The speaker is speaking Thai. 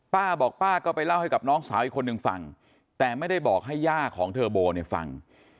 ป้าบอกป้าก็ไปเล่าให้กับน้องสาวอีกคนนึงฟังแต่ไม่ได้บอกให้ย่าของเทอร์โบเนี่ยฟัง